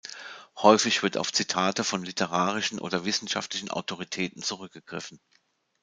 Häufig wird auf Zitate von literarischen oder wissenschaftlichen Autoritäten zurückgegriffen.